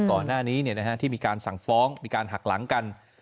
ก่อนหน้านี้ที่มีการสั่งฟ้องมีการหักหลังกัน